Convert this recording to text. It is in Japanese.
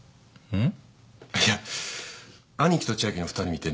うん？